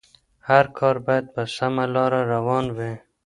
هر کار بايد په سمه لاره روان وي.